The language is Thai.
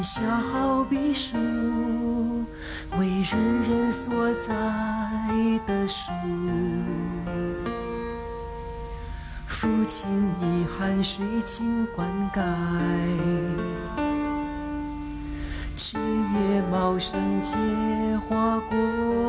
จิเยเมาสังเกษฐ์หวากว่า